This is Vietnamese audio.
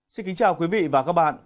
xin kính chào quý vị và các bạn